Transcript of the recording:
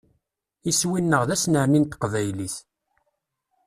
Iswi-nneɣ d asnerni n teqbaylit.